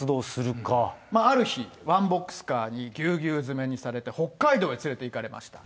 ある日、ワンボックスカーにぎゅうぎゅう詰めにされて、北海道へ連れていかれました。